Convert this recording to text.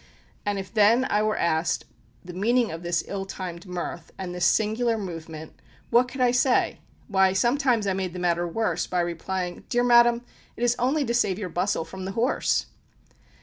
And if then I were asked the meaning of this ill timed mirth, and this singular movement, what could I say? Why, sometimes I made the matter worse by replying, "Dear madam, it is only to save your bustle from the horse!"